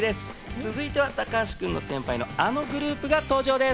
続いては高橋君の先輩のあのグループが登場です。